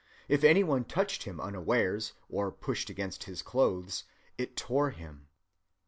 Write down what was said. If any one touched him unawares, or pushed against his clothes, it tore him."